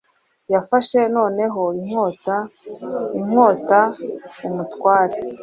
Yafashe noneho inkota-inkotaumutware